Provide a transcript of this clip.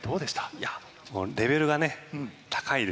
いやレベルがね高いですよね